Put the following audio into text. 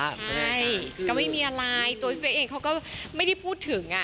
ใช่ก็ไม่มีอะไรตัวพี่เฟสเองเขาก็ไม่ได้พูดถึง